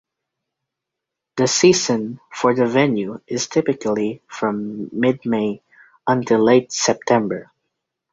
The season for the venue is typically from mid May until late September.